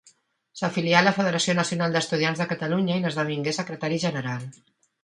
S'afilià a la Federació Nacional d'Estudiants de Catalunya i n'esdevingué secretari general.